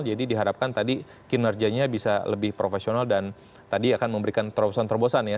jadi diharapkan tadi kinerjanya bisa lebih profesional dan tadi akan memberikan terobosan terobosan ya